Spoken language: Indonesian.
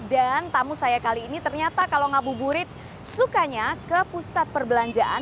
dan tamu saya kali ini ternyata kalau ngabuburit sukanya ke pusat perbelanjaan